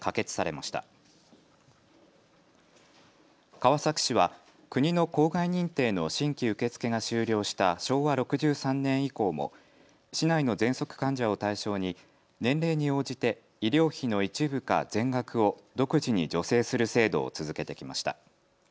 川崎市は国の公害認定の新規受け付けが終了した昭和６３年以降も市内のぜんそく患者を対象に年齢に応じて医療費の一部か全額を独自に助成する制度を続けてきました。